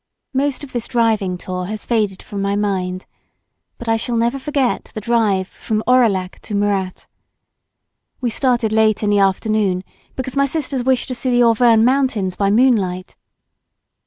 Most of this driving tour has faded from my mind, but I shall never forget the drive from Aurillac to Murat. We started late in the afternoon, because my sisters wished to see the Auvergnes mountains by moonlight.